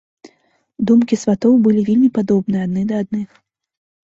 Думкі сватоў былі вельмі падобныя адны да адных.